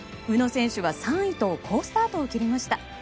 宇野選手は３位と好スタートを切りました。